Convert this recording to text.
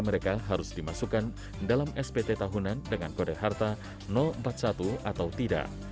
sepeda di situ dimasukkan sebagai empat puluh satu alat transportasi